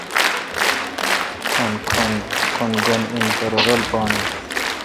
کھن گھن این پرہ رلہ پان این